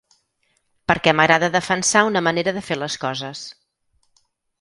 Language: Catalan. Perquè m’agrada defensar una manera de fer les coses.